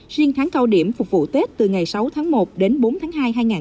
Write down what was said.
riêng tháng cao điểm phục vụ tết từ ngày sáu tháng một đến bốn tháng hai hai nghìn hai mươi